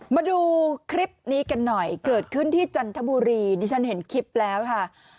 มาดูคลิปนี้กันหน่อยเกิดขึ้นที่จันทบุรีดิฉันเห็นคลิปแล้วค่ะ